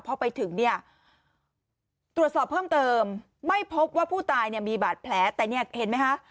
พอไปถึงเนี่ยตรวจสอบเพิ่มเติมไม่พบว่าผู้ตายเนี่ยมีบาดแผลแต่เนี่ยเห็นไหมคะ